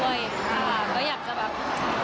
ก็อยากจะแบบอยากจะให้เกียรติพี่เขา